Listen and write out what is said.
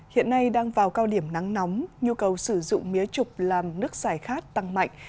hiện nay đang vào cao điểm nắng nóng nhu cầu sử dụng mía trục làm nước xài khát tăng mạnh